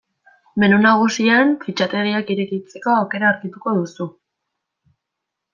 Menu nagusian fitxategiak irekitzeko aukera aurkituko duzu.